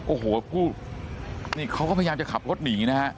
โอ้โหผู้นี่เขาก็พยายามจะขับรถหนีนะฮะ